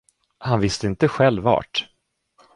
Han visste inte själv vart.